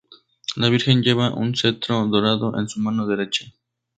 La Virgen lleva un cetro dorado en su mano derecha.